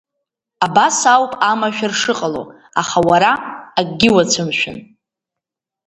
Абас ауп амашәыр шыҟало, аха уара акгьы уацәымшәан!